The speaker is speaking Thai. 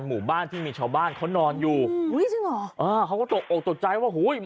หมู่บ้านที่มีชาวบ้านเขานอนอยู่อุ้ยจริงเหรออ่าเขาก็ตกออกตกใจว่าอุ้ย